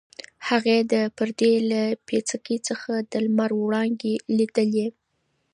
هغې د پردې له پیڅکې څخه د لمر وړانګې لیدلې.